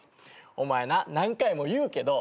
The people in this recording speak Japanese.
お前な何回も言うけど。